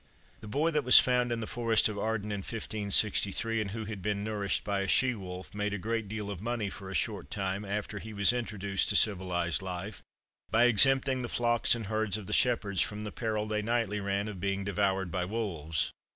The boy that was found in the forest of Arden, in 1563, and who had been nourished by a she wolf, made a great deal of money for a short time, after he was introduced to civilized life, by exempting the flocks and herds of the shepherds from the peril they nightly ran of being devoured by wolves.